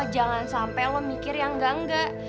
jangan sampai lo mikir yang enggak enggak